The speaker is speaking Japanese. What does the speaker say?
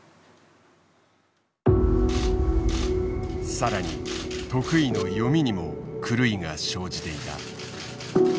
さらに得意の読みにも狂いが生じていた。